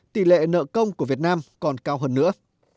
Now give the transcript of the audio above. tỷ lệ nợ công của việt nam còn cao hơn nữa